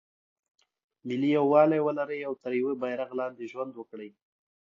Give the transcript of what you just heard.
ملي یووالی ولري او تر یوه بیرغ لاندې ژوند وکړي.